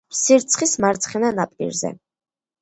ფსირცხის მარცხენა ნაპირზე.